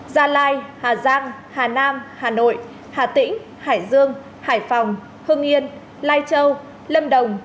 gia lai hà giang hà nam hà nội hà tĩnh hải dương hải phòng hương yên lai châu lâm đồng